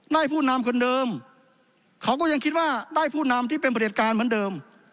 ผู้นำคนเดิมเขาก็ยังคิดว่าได้ผู้นำที่เป็นประเด็จการเหมือนเดิม